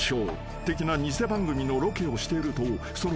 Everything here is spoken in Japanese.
的な偽番組のロケをしているとその休憩時間］